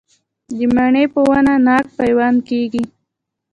د مڼې په ونه ناک پیوند کیږي؟